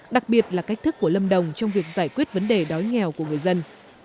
đặc biệt là cách thức của lâm đồng trong việc giải quyết vấn đề đói nghèo của người dân